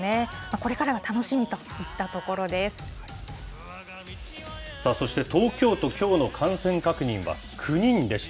これからが楽しみといったところさあ、そして東京と、きょうの感染確認は９人でした。